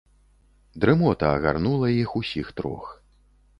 Дрымота агарнула іх усіх трох.